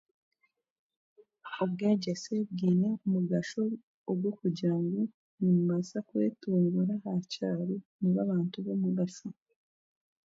Obwegyese bwine omugasho ogw'okugira ngu nimubaasa kwetunguura aha kyaro mube abantu b'omugasho